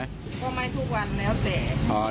ก็ไม่ทุกวันแล้วแต่